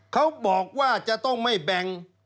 เขาบอกว่าจะต้องไม่แบ่ง